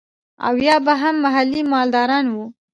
او يا به هم محلي مالداران وو.